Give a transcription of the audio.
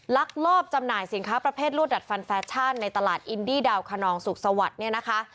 ลักลอบจำหน่ายสินค้าประเภทรวดดัดฟันแฟชั่นในตลาดอินดี้ดาวคนนองสุขสวัสดิ์เนี่ยนะคะ